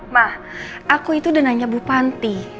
ma aku itu udah nanya bu panti